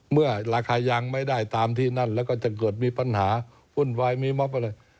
เมื่อราคายางไม่ได้ตามที่นั่นแล้วก็จะเกิดมีปัญหาวุ่นวายมีมอบอะไร